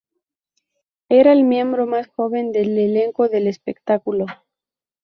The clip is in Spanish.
Era el miembro más joven del elenco del espectáculo.